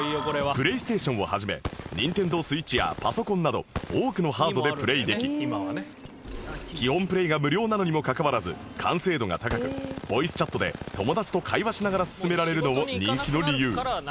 ＰｌａｙＳｔａｔｉｏｎ を始め ＮｉｎｔｅｎｄｏＳｗｉｔｃｈ やパソコンなど多くのハードでプレイでき基本プレイが無料なのにもかかわらず完成度が高くボイスチャットで友達と会話しながら進められるのも人気の理由